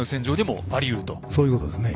そういうことですね。